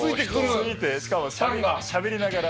ついてしかもしゃべりながら。